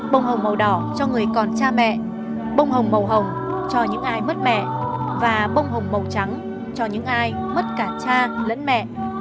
bông hồng màu đỏ cho người còn cha mẹ bông hồng màu hồng cho những ai mất mẹ và bông hồng màu trắng cho những ai mất cả cha lẫn mẹ